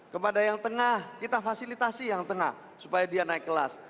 kepada yang tengah kita fasilitasi yang tengah supaya dia naik kelas